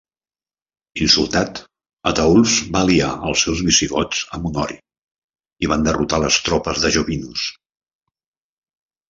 Insultat, Ataulf va aliar els seus visigots amb Honori, i van derrotar les tropes de Jovinus.